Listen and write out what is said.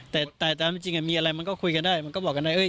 แต่แต่แต่จริงอ่ะมีอะไรมันก็คุยกันได้มันก็บอกกันได้เออ